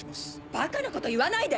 バカなこと言わないで！